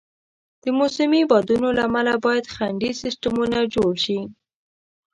د موسمي بادونو له امله باید خنډي سیستمونه جوړ شي.